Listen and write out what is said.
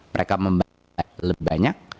mereka membayar lebih banyak